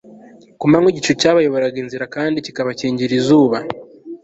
ku manywa igicu cyabayoboraga inzira kandi kikabakingira izuba